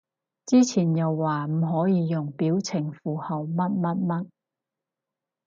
之前又話唔可以用表情符號乜乜乜